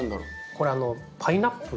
これパイナップル。